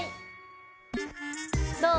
どう？